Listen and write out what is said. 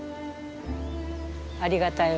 ありがたい。